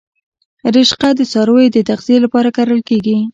رشقه د څارویو د تغذیې لپاره کرل کیږي